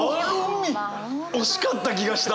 惜しかった気がした！